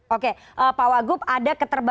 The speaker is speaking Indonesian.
oke pak wagub ada keterbatasan